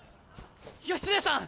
義経さん！